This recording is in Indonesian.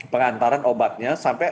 pengantaran obatnya sampai